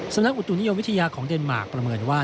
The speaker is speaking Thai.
นักอุตุนิยมวิทยาของเดนมาร์คประเมินว่า